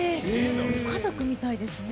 家族みたいですね。